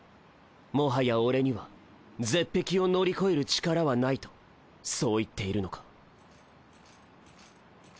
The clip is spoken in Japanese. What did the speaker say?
もはや俺にはゼッペキを乗り越える力はないとそう言っているのか？